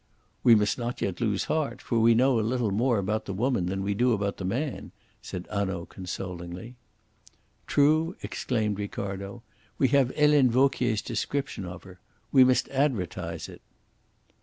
"We must not yet lose heart, for we know a little more about the woman than we do about the man," said Hanaud consolingly. "True," exclaimed Ricardo. "We have Helene Vauquier's description of her. We must advertise it."